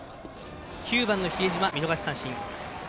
９番の比江島、見逃し三振。